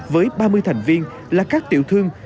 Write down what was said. với ba mươi thành viên là các tiểu thương